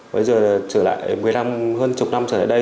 bây giờ trở lại một mươi năm hơn chục năm trở lại đây